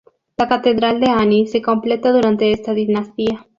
La Catedral de Ani se completa durante esta dinastía.